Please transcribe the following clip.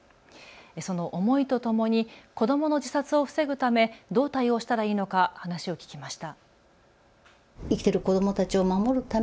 その思いとともに子どもの自殺を防ぐためどう対応したらいいのか話を聞きました。